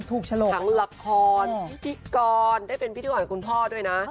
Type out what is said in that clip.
ทั้งละครพิกรได้เป็นพิกรของคุณพ่อด้วยนะ